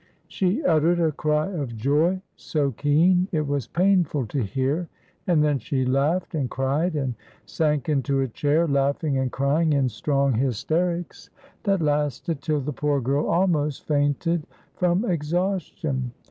She uttered a cry of joy so keen it was painful to hear, and then she laughed and cried and sank into a chair laughing and crying in strong hysterics, that lasted till the poor girl almost fainted from exhaustion.